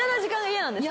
嫌なんです。